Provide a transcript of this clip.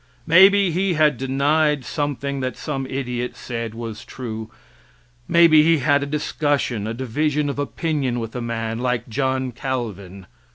Maybe he had denied something that some idiot said was true; may be he had a discussion a division of opinion with a man, like John Calvin.